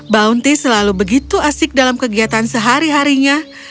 bounty selalu begitu asik dalam kegiatan sehari harinya